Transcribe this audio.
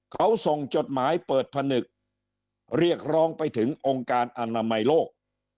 เขาส่งจดหมายเปิดผนึกเรียกร้องไปถึงองค์การอนามัยโลก